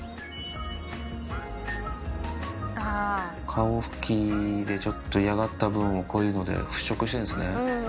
顔拭きでちょっと嫌がった分をこういうので払拭してるんですね。